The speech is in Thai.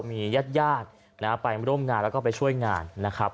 มีญาติญาติไปร่วมงานแล้วก็ไปช่วยงานนะครับ